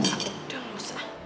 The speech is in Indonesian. aduh udah lusa